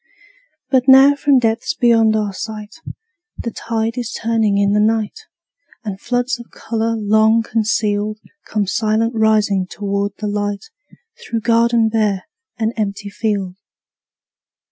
But now from depths beyond our sight, The tide is turning in the night, And floods of color long concealed Come silent rising toward the light, Through garden bare and empty field.